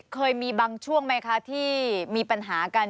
เคยมีบางช่วงไหมคะที่มีปัญหากัน